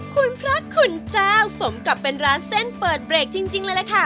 คุณพระคุณเจ้าสมกับเป็นร้านเส้นเปิดเบรกจริงเลยล่ะค่ะ